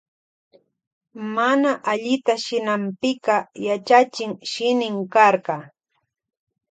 Mana allita shinanpika yachachin shinin karka.